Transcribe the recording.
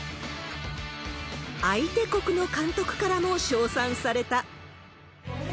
相手国の監督からも称賛された。